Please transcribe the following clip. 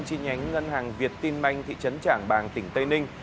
chi nhánh ngân hàng việt tin manh thị trấn trảng bàng tỉnh tây ninh